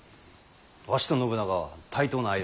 わしと信長は対等な間柄じゃ。